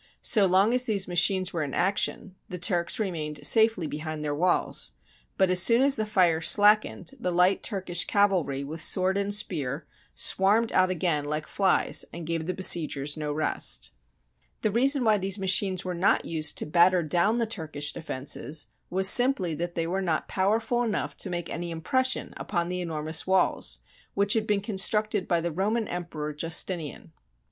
So long as these machines were in action, the Turks remained safely behind their walls, but as soon as the fire slackened the light Turkish cav alry, with sword and spear, swarmed out again like flies, and gave the besiegers no rest. THE BOOK OF FAMOUS SIEGES The reason why these machines were not used to batter down the Turkish defences was simply that they were not powerful enough to make any im pression upon the enormous walls, which had been constructed by the Roman Emperor, Justinian.